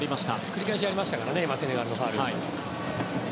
繰り返しありましたからねセネガルのファウルが。